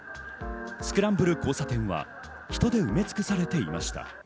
スクランブル交差点は人で埋め尽くされていました。